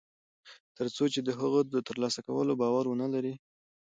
تر څو چې د هغه د تر لاسه کولو باور و نهلري